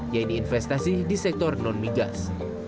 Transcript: yaitu investasi di sektor non migas